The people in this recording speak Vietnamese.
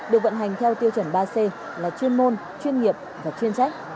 được vận hành theo tiêu chuẩn ba c là chuyên môn chuyên nghiệp và chuyên trách